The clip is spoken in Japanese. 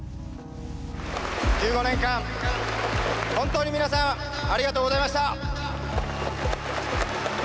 １５年間本当に皆さんありがとうございました！